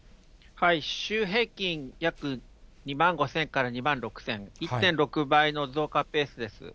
週平均約２万５０００から２万６０００、１．６倍の増加ペースです。